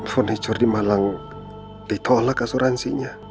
furniture di malang ditolak asuransinya